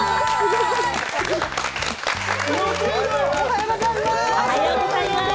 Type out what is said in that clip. おはようございます。